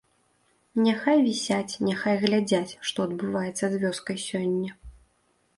Няхай вісяць, няхай глядзяць, што адбываецца з вёскай сёння.